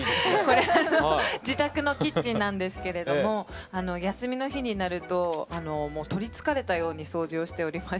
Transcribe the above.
これ自宅のキッチンなんですけれども休みの日になるともう取りつかれたように掃除をしておりまして。